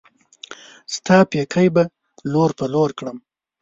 ستا پيکی به لور پر لور کړم